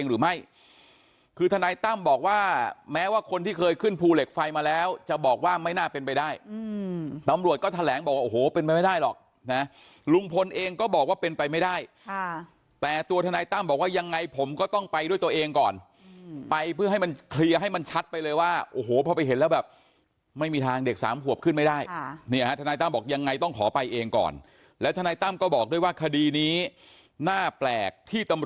โอ้โหเป็นไปไม่ได้หรอกนะฮะลุงพลเองก็บอกว่าเป็นไปไม่ได้ค่ะแต่ตัวทนายตั้มบอกว่ายังไงผมก็ต้องไปด้วยตัวเองก่อนอืมไปเพื่อให้มันเคลียร์ให้มันชัดไปเลยว่าโอ้โหพอไปเห็นแล้วแบบไม่มีทางเด็กสามขวบขึ้นไม่ได้ค่ะเนี้ยฮะทนายตั้มบอกยังไงต้องขอไปเองก่อนแล้วทนายตั้มก็บอกด้วยว่าคดีนี้หน้าแปลกที่ต